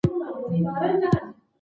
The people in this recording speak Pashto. د تپې سردار سیمه په غزني کې ده